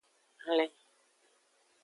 Hlen.